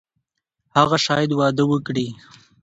هغه شاید واده وکړي.